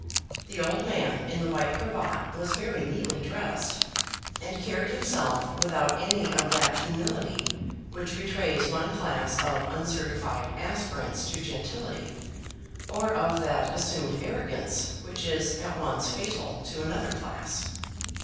The old man in the white cravat was very neatly dressed, and carried himself without any of that humility which betrays one class of uncertified aspirants to gentility, or of that assumed arrogance which is at once fatal to another class.